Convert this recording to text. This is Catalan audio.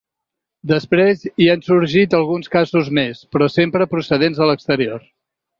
Després hi han sortit alguns casos més, però sempre procedents de l’exterior.